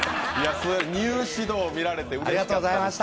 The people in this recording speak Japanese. ニュー獅童を見られてうれしかった。